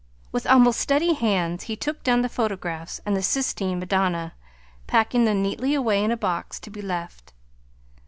With almost steady hands he took down the photographs and the Sistine Madonna, packing them neatly away in a box to be left.